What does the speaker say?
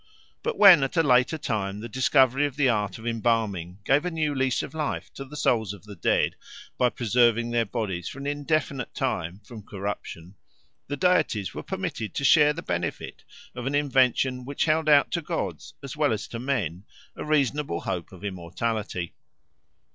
But when at a later time the discovery of the art of embalming gave a new lease of life to the souls of the dead by preserving their bodies for an indefinite time from corruption, the deities were permitted to share the benefit of an invention which held out to gods as well as to men a reasonable hope of immortality.